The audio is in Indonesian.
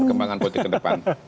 kembangkan politik ke depan